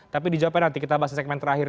tapi dijawabkan nanti kita bahas di segmen terakhir